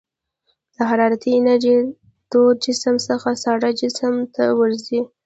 د حرارتي انرژي له تود جسم څخه ساړه جسم ته ورځي.